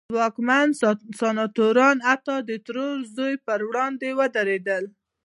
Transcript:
ځواکمن سناتوران او حتی د ترور زوی پر وړاندې ودرېدل.